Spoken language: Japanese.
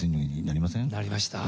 なりました。